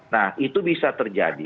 nah itu bisa terjadi